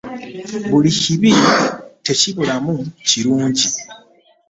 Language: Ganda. Buli kibi tekibulamu kirungi.